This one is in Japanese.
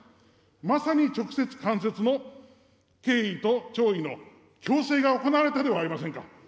まさに直接、間接の敬意と弔意の強制が行われたではありませんか。